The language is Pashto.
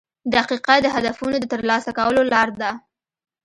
• دقیقه د هدفونو د ترلاسه کولو لار ده.